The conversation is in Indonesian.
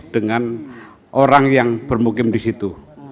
dengan orang yang bermukim di situ